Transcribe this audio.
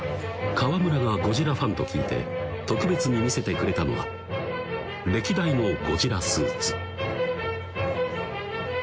河村がゴジラファンと聞いて特別に見せてくれたのは歴代のゴジラスーツ